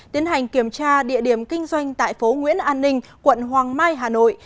tiến hành kiểm tra địa điểm kinh doanh tại phố nguyễn an ninh quận hoàng mai hà nội